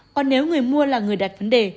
còn nếu người mua là người đặt vấn đề